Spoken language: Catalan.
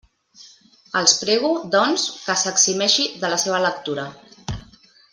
Els prego, doncs, que s'eximeixi de la seva lectura.